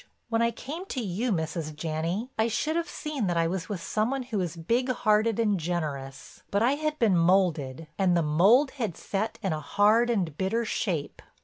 When I came to you, Mrs. Janney, I should have seen that I was with some one who was big hearted and generous, but I had been molded and the mold had set in a hard and bitter shape.